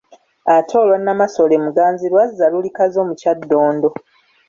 Ate olwa Nnamasole Muganzirwazza luli Kazo mu Kyadondo.